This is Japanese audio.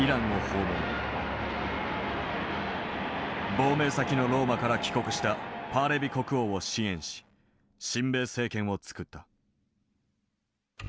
亡命先のローマから帰国したパーレビ国王を支援し親米政権を作った。